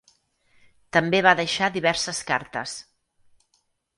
També va deixar diverses cartes.